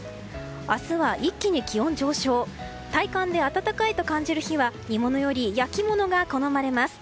明日は一気に気温上昇体感で暖かいと感じる日は煮物より焼き物が好まれます。